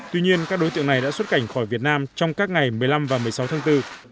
tuy nhiên các đối tượng này đã xuất cảnh khỏi việt nam trong các ngày một mươi năm và một mươi sáu tháng bốn